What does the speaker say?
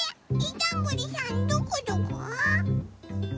どんぐりさんどこどこ？